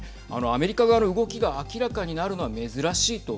アメリカ側の動きが明らかになるのははい。